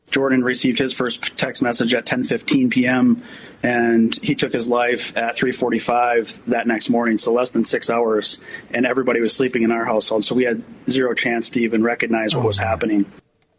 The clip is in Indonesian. jordan menerima pesan mesej pertama dia pada pukul sepuluh lima belas malam dan dia mengambil hidupnya pada pukul tiga empat puluh lima malam jadi lebih dari enam jam dan semua orang tidur di rumah kita jadi kita tidak ada kesempatan untuk mengenal apa yang terjadi